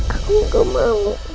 aku enggak mau